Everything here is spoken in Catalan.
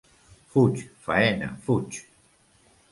Fuig, faena, fuig!